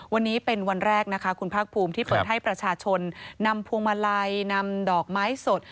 วันนี้เป็นวันแรกนะคะคุณภาคภูมิที่เปิดให้ประชาชนนำพวงมาลัยนำดอกไม้สด